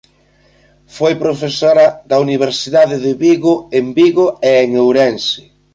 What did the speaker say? Foi profesora da Universidade de Vigo en Vigo e en Ourense.